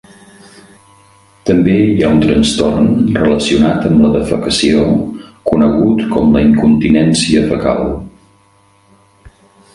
També hi ha un trastorn relacionat amb la defecació conegut com la incontinència fecal.